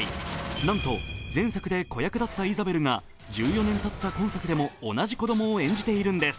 なんと前作で子役だったイザベルが１４年たった本作でも同じ子供を演じているんです。